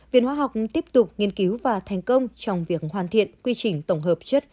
viện hóa học tiếp tục nghiên cứu và thành công trong việc hoàn thiện quy trình tổng hợp chất